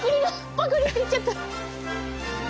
パクリって言っちゃった。